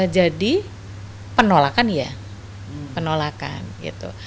jadi penolakan iya penolakan gitu